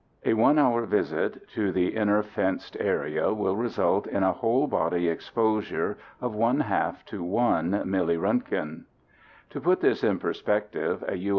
A one hour visit to the inner fenced area will result in a whole body exposure of one half to one milliroentgen. To put this in perspective, a U.